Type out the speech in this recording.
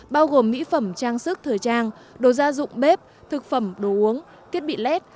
bao gồm mỹ phẩm trang sức thời trang đồ gia dụng bếp thực phẩm đồ uống kiết bị led